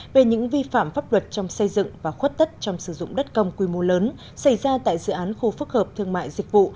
về những vi phạm pháp luật trong xây dựng và khuất tất trong sử dụng đất công quy mô lớn xảy ra tại dự án khu phức hợp thương mại dịch vụ